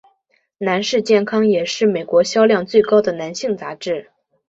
男士健康也是美国销量最高的男性杂志。